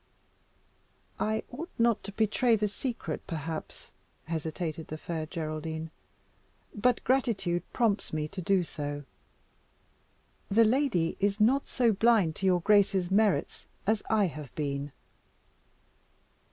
"I ought not to betray the secret, perhaps," hesitated the Fair Geraldine, "but gratitude prompts me to do so. The lady is not so blind to your grace's merits as I have been."